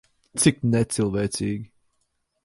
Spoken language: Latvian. Cik necilvēcīgi.